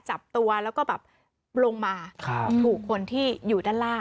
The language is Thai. จับตัวแล้วก็แบบลงมาถูกคนที่อยู่ด้านล่าง